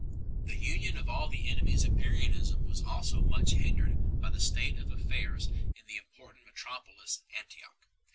The union of all the enemies of Arianism was also much hindered by the state of affairs in the important metropolis Antioch.